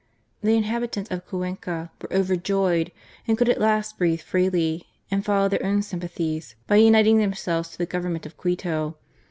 The inhabitants of Cuenca were overjoyed, and could at last breathe freely and follow their own sympathies by uniting themselves to the Government of Quito.